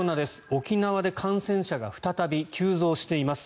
沖縄で感染者が再び急増しています。